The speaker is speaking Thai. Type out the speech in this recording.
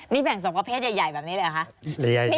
นี่แบ่ง๒ประเภทใหญ่แบบนี้เลยเหรอคะ